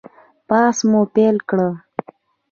بحث مو پیل کړ.